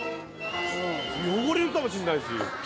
汚れるかもしんないし。